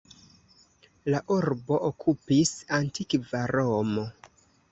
La urbon okupis antikva Romo.